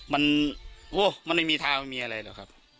มันโอ้มันไม่มีทางไม่มีอะไรหรอกครับ